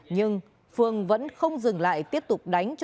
nhưng phương vẫn không dừng lại tiếp tục đánh